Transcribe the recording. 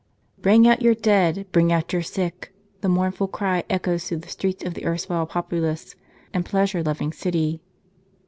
Bring out your dead ! Bring out your sick !" The mournful cry echoes through the streets of the erstwhile populous and pleasure loving city.